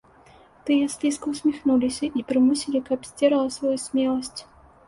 Тыя слізка ўсміхнуліся і прымусілі, каб сцерла сваю смеласць.